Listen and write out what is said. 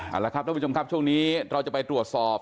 เอาละครับท่านผู้ชมครับช่วงนี้เราจะไปตรวจสอบ